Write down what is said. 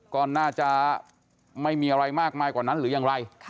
ก็น่าจะไม่มีอะไรมากมายกว่านั้นหรือยังไร